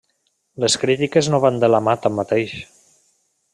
Les crítiques no van de la mà, tanmateix.